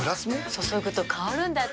注ぐと香るんだって。